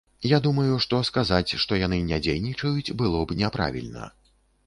Я думаю, што сказаць, што яны не дзейнічаюць, было б няправільна.